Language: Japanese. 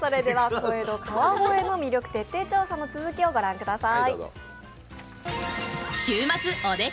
小江戸・川越の魅力徹底調査の続きを御覧ください。